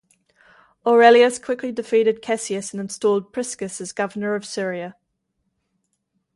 Aurelius quickly defeated Cassius and installed Priscus as governor of Syria.